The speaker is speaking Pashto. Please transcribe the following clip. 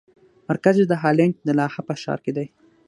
مرکز یې د هالنډ د لاهه په ښار کې دی.